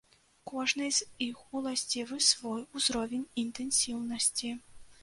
Кожнай з іх уласцівы свой узровень інтэнсіўнасці.